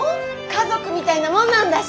家族みたいなもんなんだし。